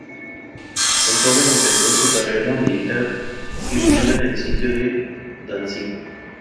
El joven empezó su carrera militar sirviendo en el sitio de Danzig.